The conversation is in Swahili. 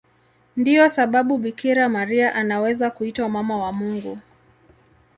Ndiyo sababu Bikira Maria anaweza kuitwa Mama wa Mungu.